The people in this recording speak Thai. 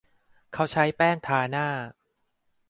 เขาใช้แป้งทาหน้า